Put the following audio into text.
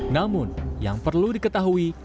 namun yang perlu diketahui